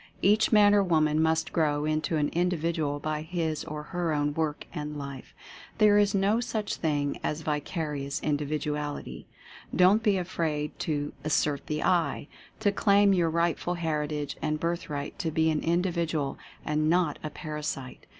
Each man or woman must grow into an Individual by his or her own work and life. There is no such thing as vicarious Indi viduality. Don't be afraid to "assert the I" — to claim your rightful heritage and birthright to be an Indi vidual, and not a Parasite.